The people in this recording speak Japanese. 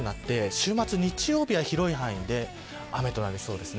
週末は日曜日は広い範囲で雨となりそうです。